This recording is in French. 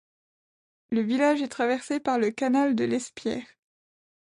Le village est traversé par le canal de l'Espierres.